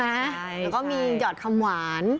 แล้วก็มีหยอดคำหวาน